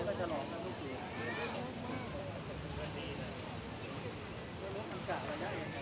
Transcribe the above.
แต่ถลอดเทอร์ไซห์ไม่ตกเลยอ่ะ